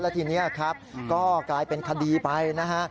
แล้วทีนี้ก็กลายเป็นคดีไปนะฮะ